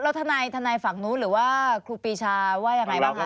แล้วทนายฝั่งนู้นหรือว่าครูปีชาว่ายังไงบ้างคะ